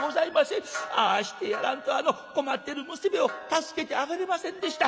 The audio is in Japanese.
ああしてやらんと困ってる娘を助けてあげれませんでした」。